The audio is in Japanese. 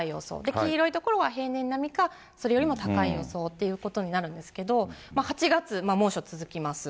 黄色い所は平年並みか、それよりも高い予想ということになるんですけれども、８月、猛暑続きます。